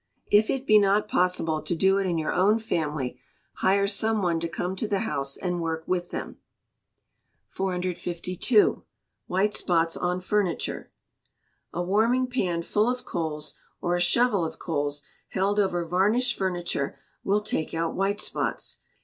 If it be not possible to do it in your own family, hire some one to come to the house and work with them. 452. White Spots on Furniture. A warming pan full of coals, or a shovel of coals, held over varnished furniture, will take out white spots.